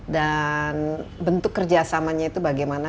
dan bentuk kerjasamanya itu bagaimana